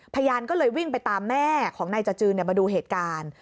พยานก็เลยวิ่งไปตามแม่ของนายจจืนมาดูเหตุการณ์